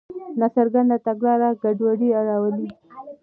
ناڅرګنده تګلاره ګډوډي راولي.